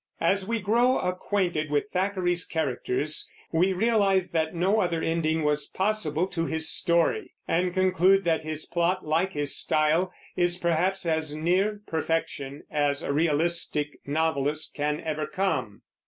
As we grow acquainted with Thackeray's characters, we realize that no other ending was possible to his story, and conclude that his plot, like his style, is perhaps as near perfection as a realistic novelist can ever come.